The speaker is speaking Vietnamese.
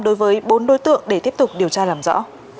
đối với bốn đối tượng để tiếp tục điều tra làm rõ